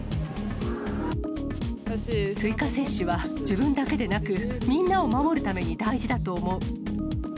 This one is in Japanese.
追加接種は自分だけでなく、みんなを守るために大事だと思う。